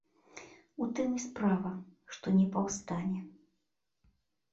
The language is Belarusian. У тым і справа, што не паўстане.